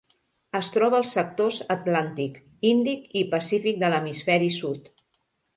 Es troba als sectors atlàntic, índic i pacífic de l'hemisferi sud.